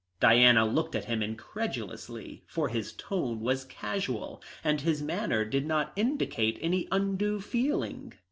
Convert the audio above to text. Diana looked at him incredulously, for his tone was casual and his manner did not indicate any undue feeling.